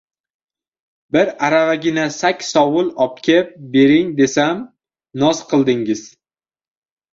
bir aravagina sak- sovul obkeb bering, desam noz qildingiz.